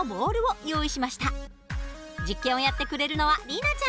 実験をやってくれるのは里奈ちゃん。